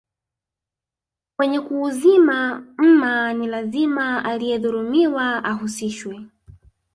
Kwenye kuuzima mma ni lazima aliyedhulumiwa ahusishwe